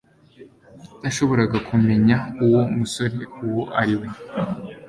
Nashoboraga kumenya uwo musore uwo ari we